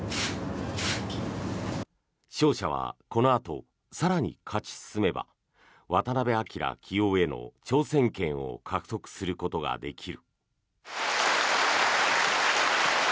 勝者はこのあと、更に勝ち進めば渡辺明棋王への挑戦権を獲得することができる。